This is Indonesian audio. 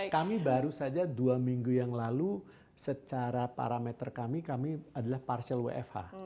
kami baru saja dua minggu yang lalu secara parameter kami kami adalah partial wfh